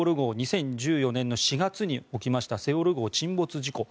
２０１４年の４月に起きました「セウォル号」沈没事故。